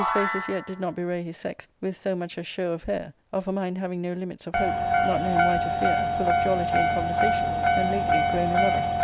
r j face as yet did not bewray his sex with so much as show of hair, of a mind having no limits of hope, not knowing why to fear, full of jollity in conversation, and lately grown a lover.